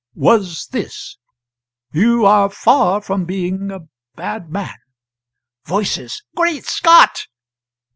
"] was this: 'You are far from being a bad man. [Voices. "Great Scott!"